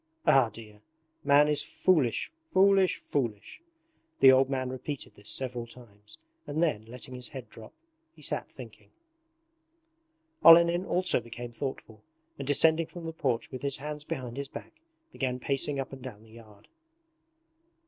Ah, dear! Man is foolish, foolish, foolish!' The old man repeated this several times and then, letting his head drop, he sat thinking. Olenin also became thoughtful, and descending from the porch with his hands behind his back began pacing up and down the yard.